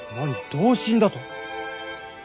同心だと？